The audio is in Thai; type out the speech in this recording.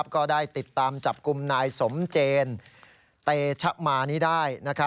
ก็ได้ติดตามจับกลุ่มนายสมเจนเตชะมานี้ได้